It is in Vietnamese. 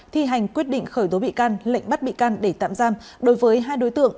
thi hành quyết định khởi tố bị can lệnh bắt bị can để tạm giam đối với hai đối tượng